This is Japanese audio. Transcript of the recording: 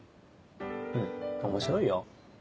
うん面白いよ。